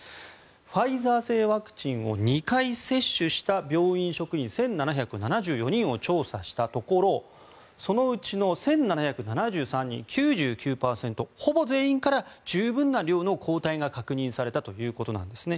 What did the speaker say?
ファイザー製ワクチンを２回接種した病院職員１７７４人を調査したところそのうちの１７７３人９９％、ほぼ全員から十分な量の抗体が確認されたということなんですね。